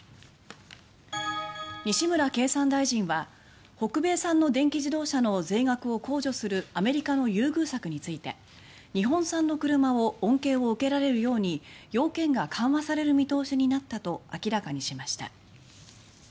西村経産大臣は北米産の電気自動車の税額を控除するアメリカの優遇策について日本産の車も恩恵を受けられるように要件が緩和される見通しになったと明らかにしました。